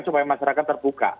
supaya masyarakat terbuka